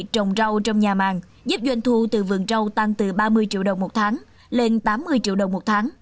trồng rau trong nhà màng giúp doanh thu từ vườn rau tăng từ ba mươi triệu đồng một tháng lên tám mươi triệu đồng một tháng